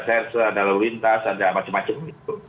serse ada lalu lintas ada macam macam gitu